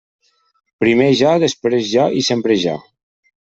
Primer jo, després jo i sempre jo.